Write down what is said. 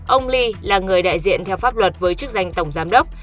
ông lee là người đại diện theo pháp luật với chức danh tổng giám đốc